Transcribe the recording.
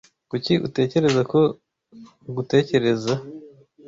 Kuki utekereza ko ngutekereza?